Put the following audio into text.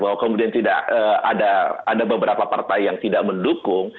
bahwa kemudian tidak ada beberapa partai yang tidak mendukung